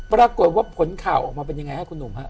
ปรากฏว่าผลข่าวออกมาเป็นยังไงฮะคุณหนุ่มฮะ